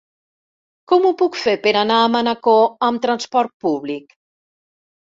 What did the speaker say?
Com ho puc fer per anar a Manacor amb transport públic?